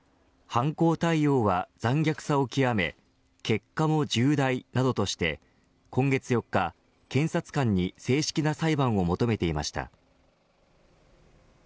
犯行態様は残虐さをきわめ結果も重大などとして今月４日、検察官に正式な裁判を求めていました。